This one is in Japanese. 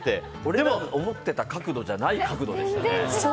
でも思ってた角度じゃない角度でしたね。